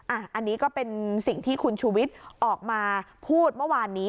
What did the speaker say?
อันนี้ก็เป็นสิ่งที่คุณชูวิทย์ออกมาพูดเมื่อวานนี้